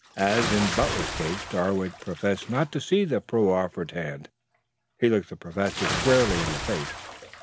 As in Butler's case, Darwood professed not to see the proffered hand. He looked the Professor squarely in the face.